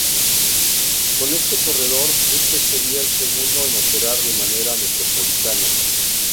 Con este corredor este seria el segundo en operar de manera metropolitana.